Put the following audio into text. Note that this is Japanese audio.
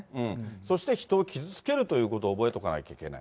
そして人を傷つけるっていうことを覚えておかないといけない。